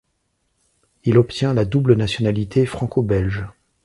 Il obtient la double nationalité franco-belge.